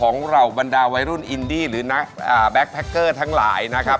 นายดีหรือนักแบกแพ็คเกอร์ทั้งหลายนะครับ